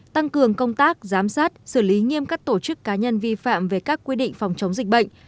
tăng cường công tác giám sát xử lý nghiêm các tổ chức cá nhân vi phạm về các quy định phòng chống dịch bệnh